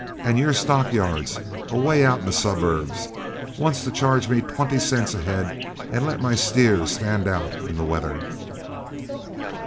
And your stockyards, away out in the suburbs, want to charge me twenty cents a head and let my steer stand out in the weather."